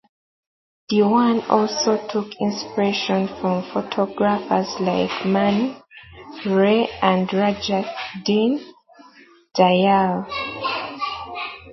Diwan also took inspiration from photographers like Man Ray and Raja Deen Dayal.